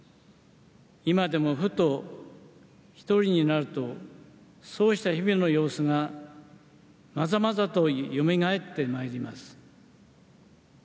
今でも、ふと１人になるとそうした日々の様子がまざまざとよみがえってまいります。